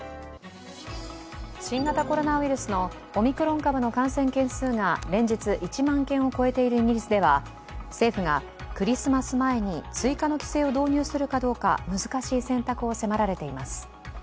新型コロナウイルスのオミクロン株の感染件数が連日１万件を超えているイギリスでは政府が、クリスマス前に追加の規制を導入するかどうか難しい選択を迫られています。